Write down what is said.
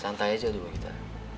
santai aja dulu kita